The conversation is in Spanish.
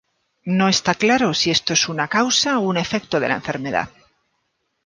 No está claro si esto es una causa o un efecto de la enfermedad.